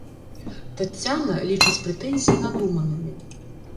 Таццяна лічыць прэтэнзіі надуманымі.